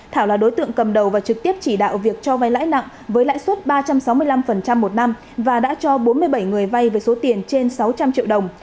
thảo là đối tượng cầm đầu và trực tiếp chỉ đạo việc cho vay lãi nặng với lãi suất ba trăm sáu mươi năm một năm và đã cho bốn mươi bảy người vay với số tiền trên sáu trăm linh triệu đồng